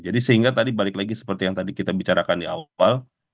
jadi sehingga tadi balik lagi seperti yang tadi kita bicarakan di awal